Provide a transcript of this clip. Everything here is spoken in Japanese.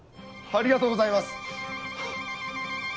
ありがとうございます。